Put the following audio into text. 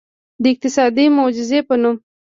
د اقتصادي معجزې په نوم.